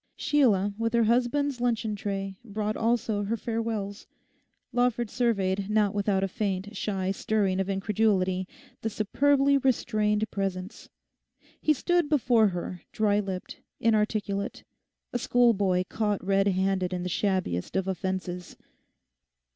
Sheila, with her husband's luncheon tray, brought also her farewells. Lawford surveyed, not without a faint, shy stirring of incredulity, the superbly restrained presence. He stood before her dry lipped, inarticulate, a schoolboy caught redhanded in the shabbiest of offences.